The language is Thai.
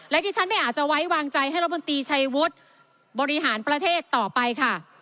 และที่ฉันไม่อาจจะไว้วางใจให้รัฐมนตรีชัยวุฒิบริหารประเทศต่อไปค่ะ